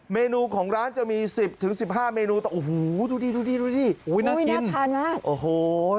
เมนูของร้านจะมี๑๐๑๕เมนูโอโฮดูดิดูน่ากินโอ้โฮ